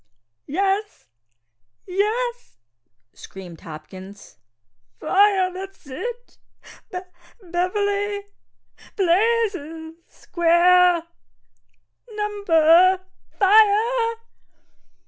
"Yes, yes," screamed Hopkins, "fire! fire that's it! B ! B Beverly! blazes! square! number Fire!"